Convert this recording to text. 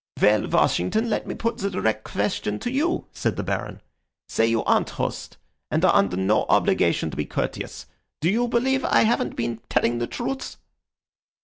"Well, Washington, let me put the direct question to you," said the Baron. "Say you aren't host and are under no obligation to be courteous. Do you believe I haven't been telling the truth?"